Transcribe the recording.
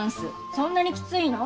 そんなにきついの？